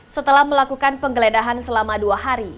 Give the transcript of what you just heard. setelah melakukan penggeledahan selama dua hari